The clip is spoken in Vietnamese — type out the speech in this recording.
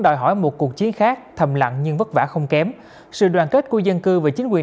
đòi hỏi một cuộc chiến khác thầm lặng nhưng vất vả không kém sự đoàn kết của dân cư và chính quyền